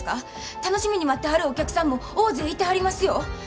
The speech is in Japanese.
楽しみに待ってはるお客さんも大勢いてはりますよ。